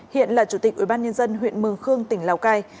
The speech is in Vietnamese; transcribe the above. hiện là chủ tịch ubnd huyện mường khương tỉnh lào cai